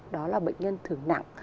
đó là bệnh nhân thường nặng